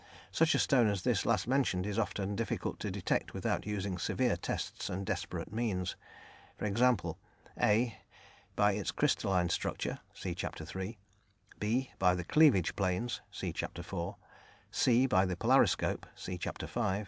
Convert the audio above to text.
Such a stone as this last mentioned is often difficult to detect without using severe tests and desperate means, e.g.: (a) by its crystalline structure (see Chapter III.); (b) by the cleavage planes (see Chapter IV.); (c) by the polariscope (see Chapter V.)